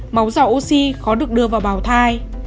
máu dò oxy khó được đưa vào bào thai